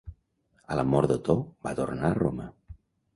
A la mort d'Otó va tornar a Roma.